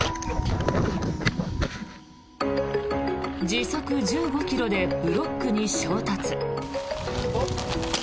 時速１５ｋｍでブロックに衝突。